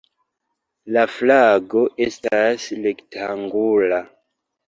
La flago estas rektangula.